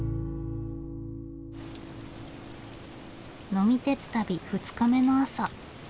呑み鉄旅二日目の朝。